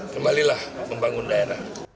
kembalilah membangun daerah